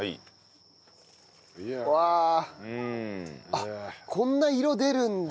あっこんな色出るんだ。